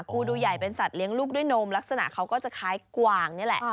กูดูใหญ่เป็นสัตว์เลี้ยงลูกด้วยนมลักษณะเขาก็จะคล้ายกวางนี่แหละ